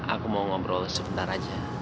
aku mau ngobrol sebentar aja